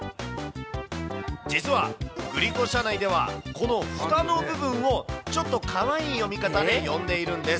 実はグリコ社内では、このふたの部分を、ちょっとかわいい読み方で呼んでいるんです。